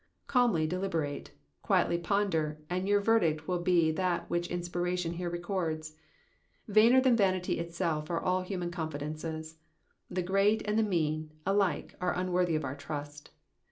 Calmly deliberate, quietly ponder, and your verdict will be that which inspiration here records. Vainer than vanity itself arc all human con fidences : the great ^nd the mean, alike, are unworthy of our trust.